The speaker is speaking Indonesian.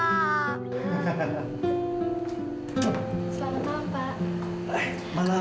selamat malam pak